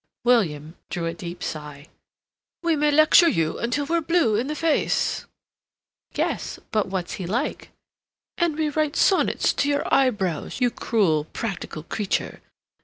William drew a deep sigh. "We may lecture you till we're blue in the face—" "Yes—but what's he like?" "And we write sonnets to your eyebrows, you cruel practical creature.